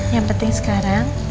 yang penting sekarang